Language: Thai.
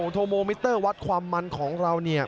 โทโมมิเตอร์วัดความมันของเราเนี่ย